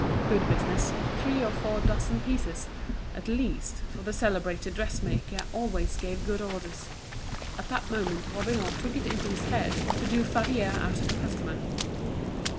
good business, three or four dozen pieces, at least, for the celebrated dressmaker always gave good orders. At that moment Robineau took it into his head to do Favier out of a customer.